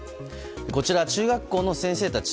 こちら中学校の先生たち。